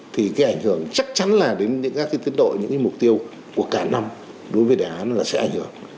thì cái ảnh hưởng chắc chắn là đến các cái tiến độ những cái mục tiêu của cả năm đối với đề án là sẽ ảnh hưởng